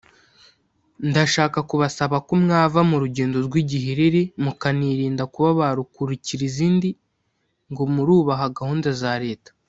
ndashaka kubasaba ko mwava mu rugendo rw’igihiriri mukanirinda kuba ba Rukurikirizindi ngo murubaha gahunda za leta